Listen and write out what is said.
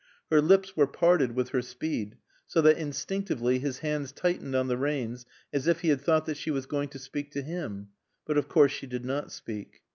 Her lips were parted with her speed, so that, instinctively, his hands tightened on the reins as if he had thought that she was going to speak to him. But of course she did not speak.